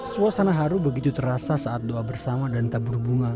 suasana haru begitu terasa saat doa bersama dan tabur bunga